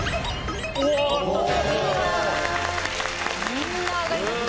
みんな上がりました。